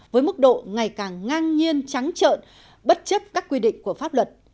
với mức độ ngày càng ngang nhiên trắng trợn bất chấp các quy định của pháp luật